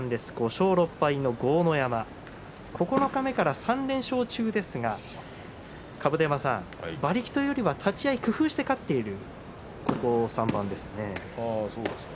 ５勝６敗の豪ノ山九日目から３連勝中ですが馬力というよりは立ち合い工夫して立っているそうですね